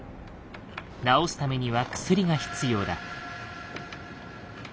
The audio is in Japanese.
治すためには薬が必要だ。